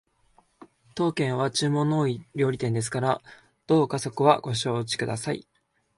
当軒は注文の多い料理店ですからどうかそこはご承知ください